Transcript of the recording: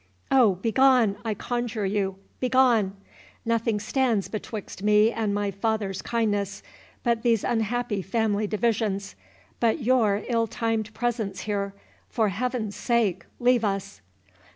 —"Oh, begone, I conjure you, begone! Nothing stands betwixt me and my father's kindness, but these unhappy family divisions—but your ill timed presence here—for Heaven's sake, leave us!"